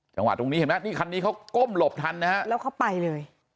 จังหวะตรงนี้เห็นไหมนี่คันนี้เขาก้มหลบทันนะฮะแล้วเขาไปเลย